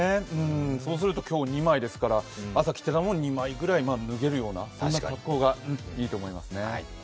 そうすると今日、２枚ですから朝、２枚ぐらい脱げるような格好がいいと思いますね。